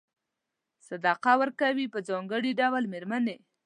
صدقه ورکوي په ځانګړي ډول مېرمنې.